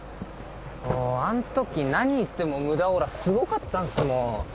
もうあんとき何言っても無駄オーラすごかったんすもん。